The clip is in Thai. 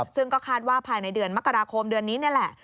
ซึ่งก็คาดว่าภายในเดือนมกราคมเดือนนี้นี่แหละ